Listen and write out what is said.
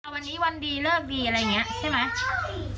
วันนี้วันดีเลิกดีอะไรอย่างนี้ใช่ไหม